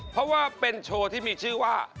เพราะว่าเป็นโชว์ที่มีชื่อว่า